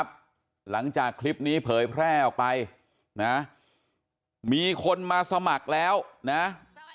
ดูท่าทางฝ่ายภรรยาหลวงประธานบริษัทจะมีความสุขที่สุดเลยนะเนี่ย